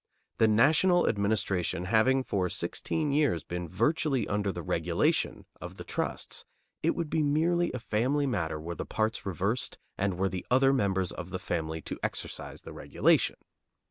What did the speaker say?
The national administration having for sixteen years been virtually under the regulation of the trusts, it would be merely a family matter were the parts reversed and were the other members of the family to exercise the regulation.